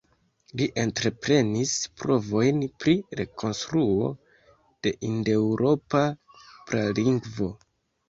Li entreprenis provojn pri rekonstruo de hindeŭropa pralingvo.